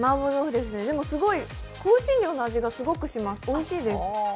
でも、更新料の味がすごくします、おいしいです。